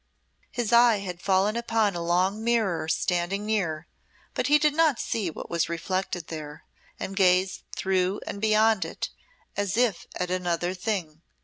His eye had fallen upon a long mirror standing near, but he did not see what was reflected there, and gazed through and beyond it as if at another thing.